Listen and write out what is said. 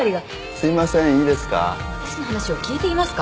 すいませんいいですか。